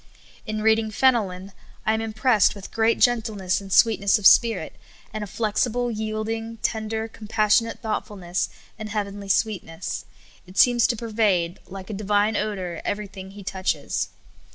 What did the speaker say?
In reading Fenelon, I am impressed with great gen tleness and sweetness of spirit, and a flexible, 3'ield ing, tender, compassionate thoughtfulness, and heav enly sweetness. It seems to pervade, like a divine odor, everything He touches.